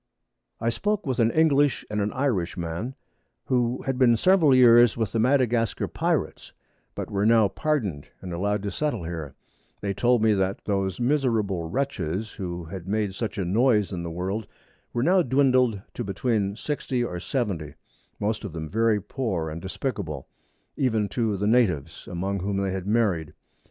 I spoke with an English and an Irish man, who had been several Years with the Madagascar Pirates, but were now pardoned, and allowed to settle here: They told me, that those miserable Wretches, who had made such a Noise in the World, were now dwindled to between 60 or 70, most of them very poor and despicable, even to the Natives, among whom they had married.